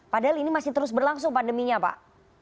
padahal ini masih terus berlangsung pandeminya pak